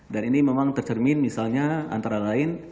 dan ini memang tercermin misalnya antara lain